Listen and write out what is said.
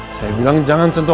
saya bilang jangan sentuh